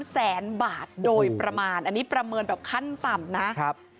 แสนบาทโดยประมาณอันนี้ประเมินแบบขั้นต่ำนะครับ